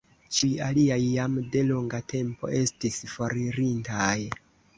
Ĉiuj aliaj jam de longa tempo estis foririntaj.